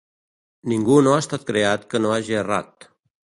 Ningú no ha estat creat que no hagi errat.